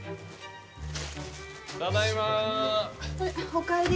おかえり。